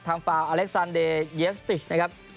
ทำฟ้าอเล็กซานเดเยฟตินะครับ